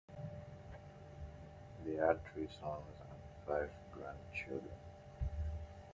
They had three sons and five grandchildren.